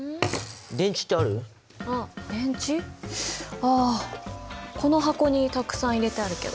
あこの箱にたくさん入れてあるけど。